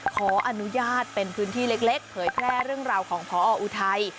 ขออนุญาตเป็นพื้นที่เล็กเผยแพร่เรื่องราวของพออุทัย